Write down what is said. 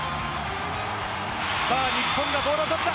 さあ、日本がボールを取った。